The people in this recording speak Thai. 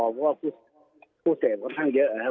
เพราะว่าผู้เสพก็ค่อนข้างเยอะ